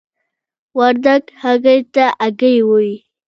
وردګ هګۍ ته آګۍ وايي.